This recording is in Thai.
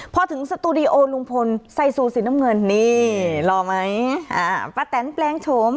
พอถึงสตูดิโอลุงพลไซซูสีน้ำเงินนี่รอไหมอ่าป้าแตนแปลงโฉม